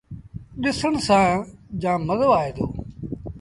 ڏسن سآݩ جآم مزو آئي دو۔